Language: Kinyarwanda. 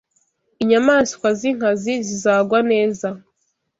inyamaswa z’inkazi zizagwa neza